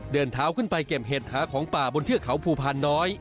เดินเท้าขึ้นไปเก็บเห็ดหาของป่าบนเทือกเขาภูพานน้อย